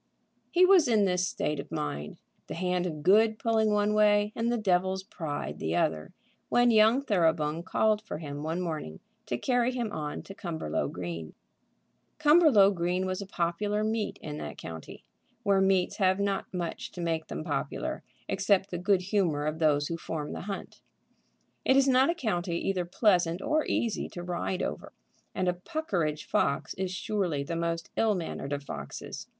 He was in this state of mind, the hand of good pulling one way and the devil's pride the other, when young Thoroughbung called for him one morning to carry him on to Cumberlow Green. Cumberlow Green was a popular meet in that county, where meets have not much to make them popular except the good humor of those who form the hunt. It is not a county either pleasant or easy to ride over, and a Puckeridge fox is surely the most ill mannered of foxes.